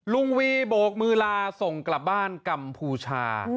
ลุงวีโบกมือลาส่งกลับบ้านกัมพูชา